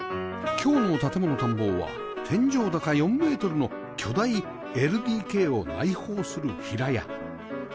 今日の『建もの探訪』は天井高４メートルの巨大 ＬＤＫ を内包する平屋